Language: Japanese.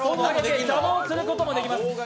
邪魔をすることもできます